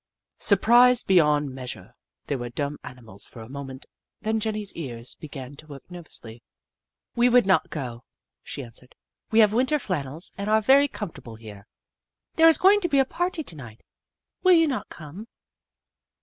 Surprised beyond measure, they were dumb animals for a moment, then Jenny's ears began to work nervously. " We would not go," she answered; "we have Winter flannels and are very comfortable here. There is going to be a party to night. Will you not come